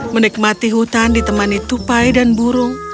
menikmati hutan ditemani tupai dan burung